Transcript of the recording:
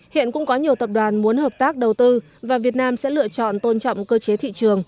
hiện cũng có nhiều tập đoàn muốn hợp tác đầu tư và việt nam sẽ lựa chọn tôn trọng cơ chế thị trường